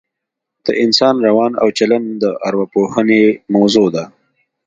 د انسان روان او چلن د اوراپوهنې موضوع ده